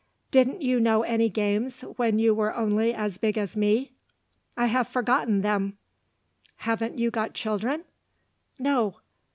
"Didn't you know any games, when you were only as big as me?" "I have forgotten them." "Haven't you got children?" "No."